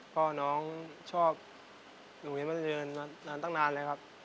เพราะน้องชอบโรงเรียนบางเจริญมาตั้งนานเลยครับ